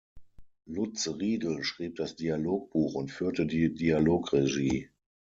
Lutz Riedel schrieb das Dialogbuch und führte die Dialogregie.